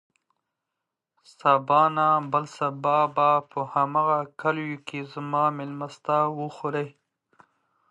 سبا نه، بل سبا به په هماغه کليو کې زما مېلمستيا وخورې.